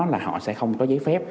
là họ sẽ không có giấy phép